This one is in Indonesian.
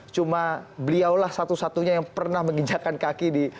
cuma beliaulah satu satunya yang pernah menginjakan kaki di